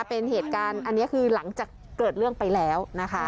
เป็นเหตุการณ์อันนี้คือหลังจากเกิดเรื่องไปแล้วนะคะ